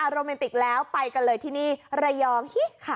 โรแมนติกแล้วไปกันเลยที่นี่ระยองฮิค่ะ